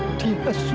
dia di awal pelaku